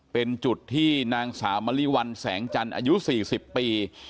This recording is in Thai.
เป็นจุดที่นางสาวมะลิวัลแสงจันทร์อายุ๔๐ปี